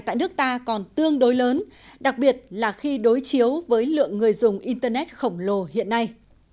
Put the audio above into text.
tại nước ta còn tương đối lớn đặc biệt là khi đối chiếu với lượng người dùng internet khổng lồ hiện nay